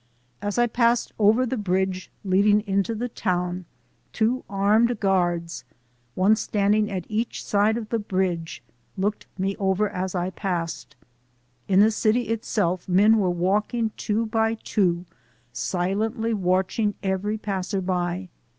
As I passed over the bridge leading into the town two armed guards, one standing at each side of the bridge, looked me over as I passed. In the city itself men were walking two by two silently watching every passerby.